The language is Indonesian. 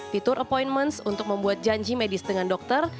fitur appointments untuk membuat janji medis dengan dokter